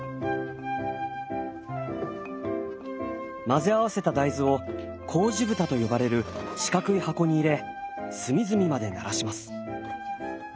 混ぜ合わせた大豆を麹ぶたと呼ばれる四角い箱に入れ隅々までならします。